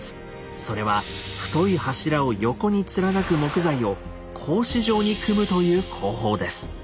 それは太い柱を横に貫く木材を格子状に組むという工法です。